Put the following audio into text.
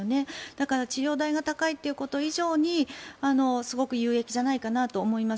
だから治療代が高いということ以上にすごく有益じゃないかなと思います。